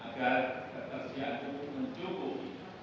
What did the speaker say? agar kebersihan hukum mencukupi